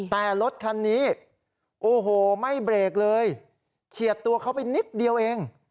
แต่รถคันนี้โอ้โหไม่เบรกเลยเฉียดตัวเขาไปนิดเดียวเอง